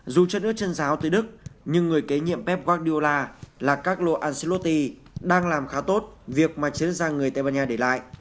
dù chất nước chân giáo tới đức nhưng người kế nhiệm pep guardiola là carlo ancelotti đang làm khá tốt việc mà chiến giang người tây ban nha để lại